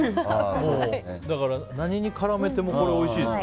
だから何に絡めてもおいしいですよ。